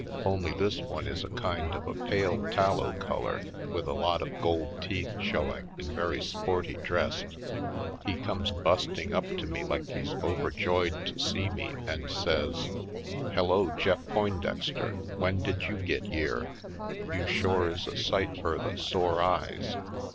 Only, this one is a kind of a pale tal low color with a lot of gold teeth showing and very sporty dressed. He comes bust ing up to me like he's overjoyed to see me, and says: "Hello, Jeff Poindexter — w'en did you git yere? You shore is a sight fur the sore eyes!